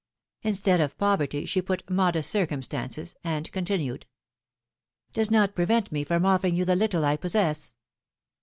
Instead of ^^poverty," she put modest circumstances," and continued : ^^Does not prevent me from offering you the little I possess.